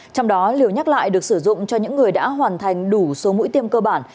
trong đó liều nhắc lại được sử dụng cho những người đã hoàn thành đủ số mũi tiêm cơ bản